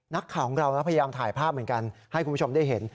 นักข่าวของเราพยายามถ่ายภาพเหมือนกันให้คุณผู้ชมได้เห็น